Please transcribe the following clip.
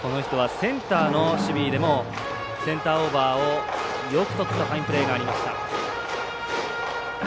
センターの守備でもセンターオーバーをよくとったファインプレーがありました。